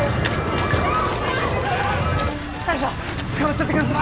大将つかまっちょってください！